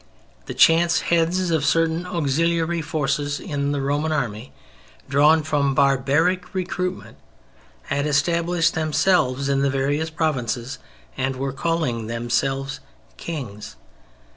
The chance heads of certain auxiliary forces in the Roman Army, drawn from barbaric recruitment, had established themselves in the various provinces and were calling themselves "Kings."